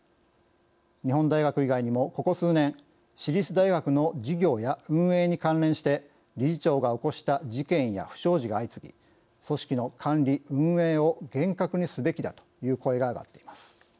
日本大学以外にも、ここ数年私立大学の事業や運営に関連して理事長が起こした事件や不祥事が相次ぎ組織の管理・運営を厳格にすべきだという声が上がっています。